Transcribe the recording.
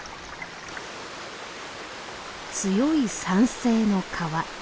強い酸性の川。